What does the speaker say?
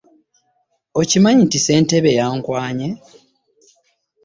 Okimanyi nti ssentebe yankwanye?